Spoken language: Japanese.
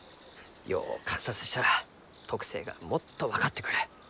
よう観察したら特性がもっと分かってくる。